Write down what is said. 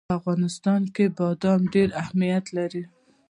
په افغانستان کې بادام ډېر اهمیت لري.